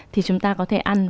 thì chúng ta có thể ăn